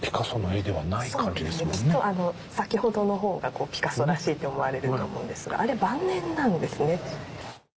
そうですねきっとあの先ほどのほうがピカソらしいって思われると思うんですがあれ晩年なんですね。